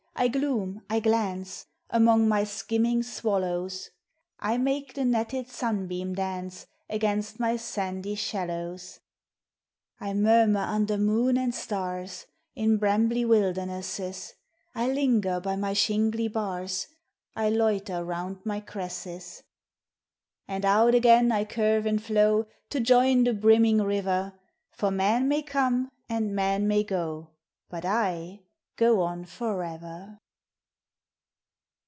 I gloom, I glance, Among my skimming swallows; I make the netted sunbeam dance Against my sandy shallows; I murmur under moon and stars In brambly wildernesses; I linger by my shingly bars; I loiter round my cresses; And out again I curve and flow To join the brimming river; For men may come and men may go, But I go on forever.